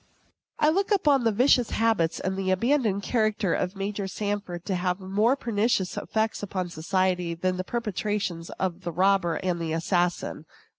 I look upon the vicious habits and abandoned character of Major Sanford to have more pernicious effects on society than the perpetrations of the robber and the assassin.